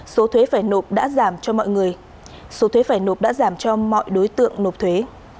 số thuế phải nộp đã giảm cho mọi đối tượng nộp thuế